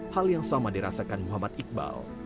hal yang sama dirasakan muhammad iqbal